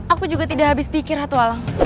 aku juga tidak habis pikir hatualang